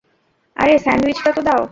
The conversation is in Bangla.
আরে স্যান্ডউইচটা তো দাও।